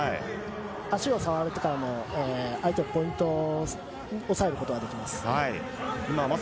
足を触られてからも相手のポイントを抑えることができます。